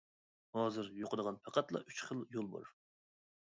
ھازىر يۇقىدىغان پەقەتلا ئۈچ خىل يول بار.